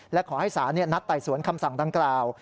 และขอให้ศาลนัดไต่สวนคำสั่งดังกล่าว